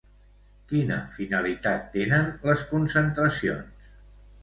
Quina finalitat tenen les concentracions?